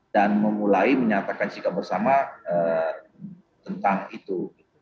dan memulai menyatakan sikap bersama tentang itu